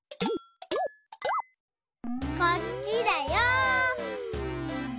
こっちだよ！